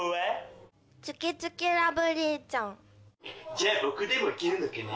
じゃあ僕でもいけるのかな？